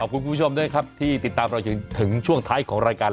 คุณผู้ชมด้วยครับที่ติดตามเราจนถึงช่วงท้ายของรายการ